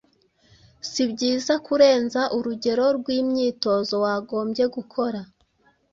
Si byiza kurenza urugero rw’imyitozo wagombye gukora